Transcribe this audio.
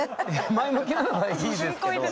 前向きなのはいいですけど。